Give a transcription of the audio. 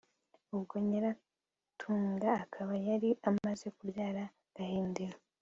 ubwo nyiratunga akaba yari amaze kubyara gahindiro